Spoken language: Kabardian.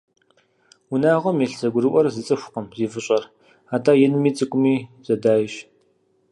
Унагъуэм илъ зэгурыӏуэр зы цӏыхукъым зи фӏыщӏэр, атӏэ инми цӏыкӏуми зэдайщ.